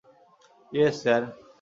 Yes, sir.